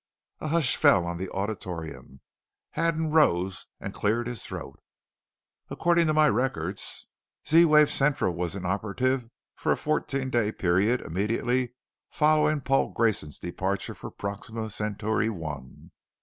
A hush fell on the auditorium. Haddon rose and cleared his throat. "According to my records, Z wave Central was inoperative for a fourteen day period immediately following Paul Grayson's departure for Proxima Centauri I.